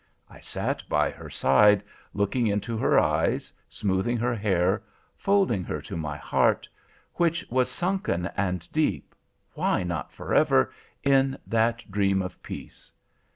I sat by her side, looking into her eyes, smoothing her hair, folding her to my heart, which was sunken and deep—why not forever?—in that dream of peace.